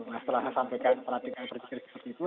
nah setelah saya sampaikan perhatian berpikir begitu